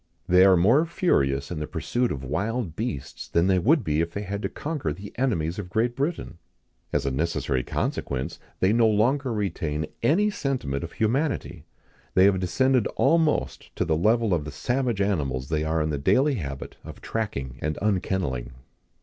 They are more furious in the pursuit of wild beasts, than they would be if they had to conquer the enemies of Great Britain. As a necessary consequence, they no longer retain any sentiment of humanity; they have descended almost to the level of the savage animals they are in the daily habit of tracking and unkenneling."